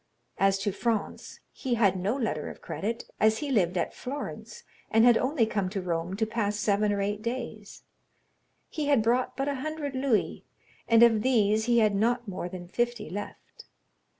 As to Franz, he had no letter of credit, as he lived at Florence, and had only come to Rome to pass seven or eight days; he had brought but a hundred louis, and of these he had not more than fifty left.